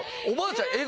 おばあちゃん